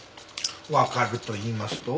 わかるといいますと？